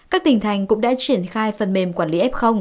các tỉnh thành cũng đã triển khai phần mềm quản lý f